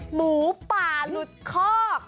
หมูป่าหลุดคอก